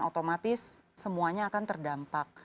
otomatis semuanya akan terdampak